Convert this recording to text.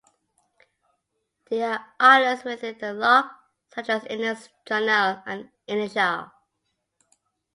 There are islands within the loch such as Innis Chonnell and Inishail.